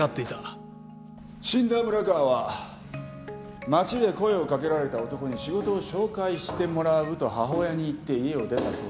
死んだ村川は街で声を掛けられた男に仕事を紹介してもらうと母親に言って家を出たそうです